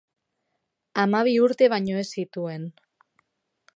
Hamabi urte baino ez zituen.